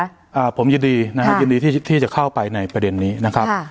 ผมยึดดีครับผมยึดดีนะครับยึดดีที่จะเข้าไปในประเด็นนี้นะครับ